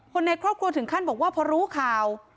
ในครอบครัวถึงขั้นบอกว่าพอรู้ข่าว